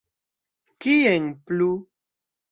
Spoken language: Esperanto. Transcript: Kien plu?